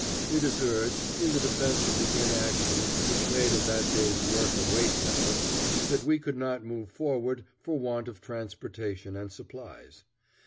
It is urged, in defense of the inaction which made of that day's work a waste effort, that we could not move forward for want of transportation and supplies.